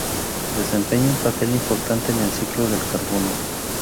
Desempeña un papel importante en el ciclo del carbono.